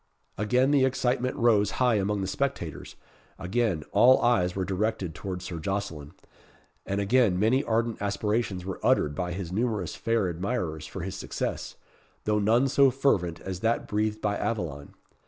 Again the excitement rose high among the spectators; again all eyes were directed towards Sir Jocelyn; and again many ardent aspirations were uttered by his numerous fair admirers for his success, though none so fervent as that breathed by Aveline.